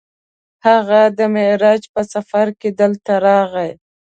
هغه د معراج په سفر کې دلته راغی.